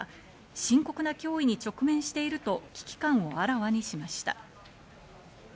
深刻な脅威に直面していると危機感をあらわにしました。